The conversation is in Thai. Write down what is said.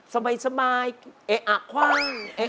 สบายเอ๊ะอะคว่าง